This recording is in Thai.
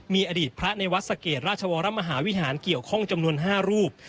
มีอดีตพระในวัดสะเกดราชวรมหาวิหารเกี่ยวข้องจำนวน๕รูป